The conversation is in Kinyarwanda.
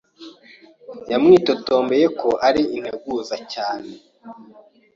Yamwitotombeye ko ari integuza cyane.